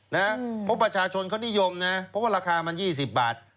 เพราะประชาชนเขานิยมนะเพราะว่าราคามัน๒๐บาท